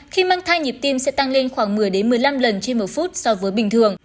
khi mang thai nhịp tim sẽ tăng lên khoảng một mươi một mươi năm lần trên một phút so với bình thường